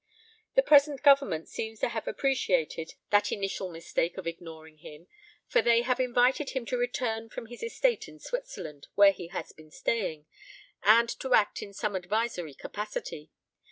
"The present Government seems to have appreciated that initial mistake of ignoring him, for they have invited him to return from his estate in Switzerland, where he has been staying, and to act in some advisory capacity.